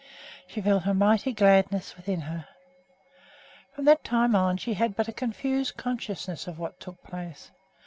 She felt a mighty gladness within her. From that time on she had but a confused consciousness of what took place.